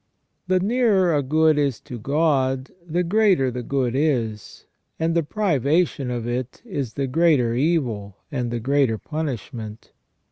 The nearer a good is to God, the greater the good is, and the privation of it is the greater evil and the greater punishment.